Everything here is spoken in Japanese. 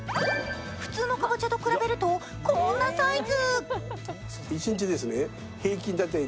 普通のかぼちゃと比べるとこんなサイズ。